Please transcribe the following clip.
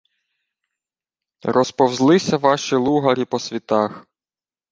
— Розповзлися ваші лугарі по світах.